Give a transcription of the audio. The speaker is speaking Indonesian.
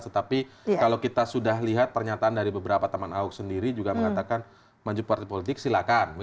tetapi kalau kita sudah lihat pernyataan dari beberapa teman ahok sendiri juga mengatakan maju partai politik silakan